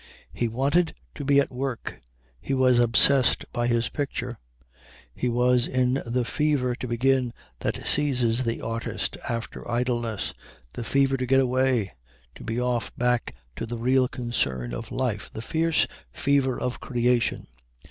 He wanted to be at work. He was obsessed by his picture. He was in the fever to begin that seizes the artist after idleness, the fever to get away, to be off back to the real concern of life the fierce fever of creation.